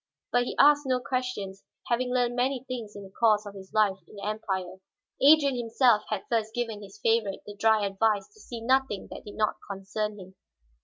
But he asked no questions, having learned many things in the course of his life in the Empire. Adrian himself had first given his favorite the dry advice to see nothing that did not concern him.